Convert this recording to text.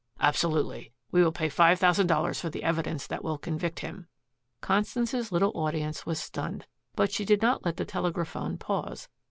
"Absolutely. We will pay five thousand dollars for the evidence that will convict him." Constance's little audience was stunned. But she did not let the telegraphone pause.